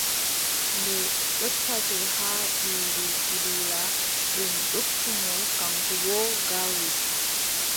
Nde yottake haa Duudu Budula, ɓe ndokki mo kaŋko boo gawri.